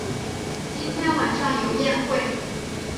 今天晚上有宴会